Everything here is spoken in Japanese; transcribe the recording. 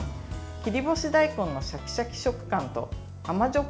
切り干し大根のシャキシャキ食感と甘じょっ